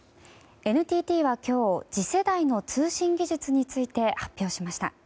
ＮＴＴは今日、次世代の通信技術について発表しました。